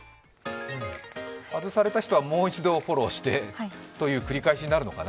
外れた人はもう一度フォローしてという繰り返しになるのかな。